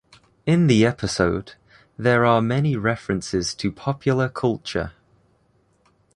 In the episode, there are many references to popular culture.